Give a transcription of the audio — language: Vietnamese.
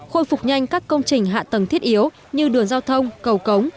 khôi phục nhanh các công trình hạ tầng thiết yếu như đường giao thông cầu cống